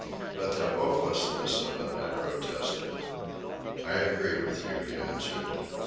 "But the hopelessness of it," I protested. "I agree with you," he answered.